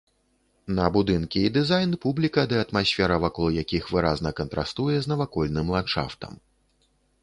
На будынкі і дызайн, публіка ды атмасфера вакол якіх выразна кантрастуе з навакольным ландшафтам.